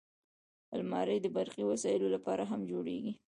الماري د برقي وسایلو لپاره هم جوړیږي